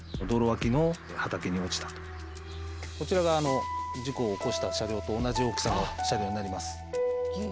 こちらが事故を起こした車両と同じ大きさの車両になります。